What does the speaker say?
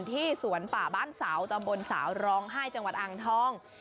ที่สวนป่าบ้านเสาตำบลสาวร้องไห้จังหวัดอ่างทอง